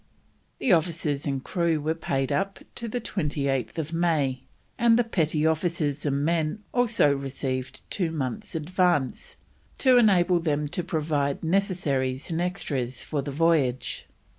The officers and crew were paid up to 28th May, and the petty officers and men also received two months' advance to enable them to provide necessaries and extras for the voyage.